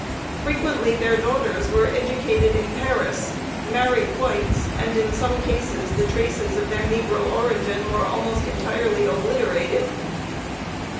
Frequently their daughters were educated in Paris, married whites, and in some cases the traces of their negro origin were almost entirely obliterated.